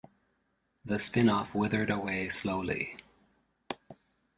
The spin-off withered away slowly.